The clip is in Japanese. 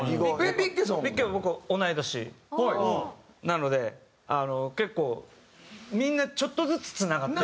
ビッケは僕同い年なので結構みんなちょっとずつつながってる。